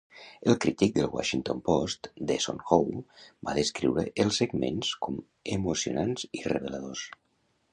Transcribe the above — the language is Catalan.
El crític del "Washington Post" Desson Howe va descriure els segments com emocionants i reveladors.